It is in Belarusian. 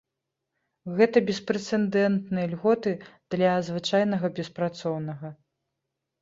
Гэта беспрэцэдэнтныя льготы для звычайнага беспрацоўнага.